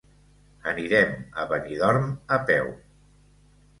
Anirem a Benidorm a peu.